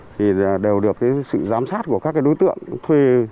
thì đều được cái sự giám sát của các cái đối tượng thuê